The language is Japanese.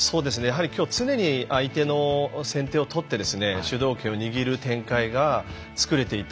きょう、常に相手の先手を取って主導権を握る展開がつくれていた。